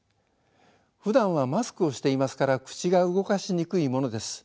ふだんはマスクをしていますから口が動かしにくいものです。